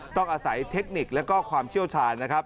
ต้องอาศัยเทคนิคและความเชี่ยวชาญนะครับ